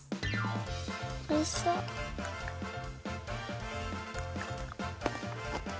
おいしそう。